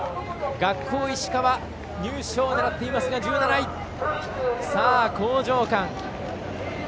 学法石川、入賞狙っていますが１７位。興譲館。